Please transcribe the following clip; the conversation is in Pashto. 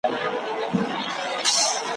په څپلیو کي یې پښې یخی کېدلې !.